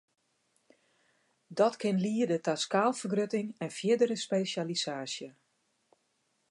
Dat kin liede ta skaalfergrutting en fierdere spesjalisaasje.